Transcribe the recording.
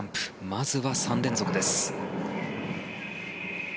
まずは３連続です。